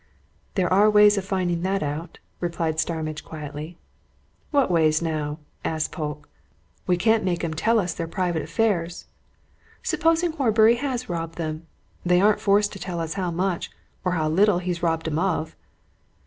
"There are ways of finding that out," replied Starmidge quietly. "What ways, now?" asked Polke. "We can't make 'em tell us their private affairs. Supposing Horbury has robbed them, they aren't forced to tell us how much or how little he's robbed 'em of!"